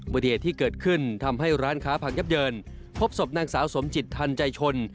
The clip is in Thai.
เหตุที่เกิดขึ้นทำให้ร้านค้าพังยับเยินพบศพนางสาวสมจิตทันใจชน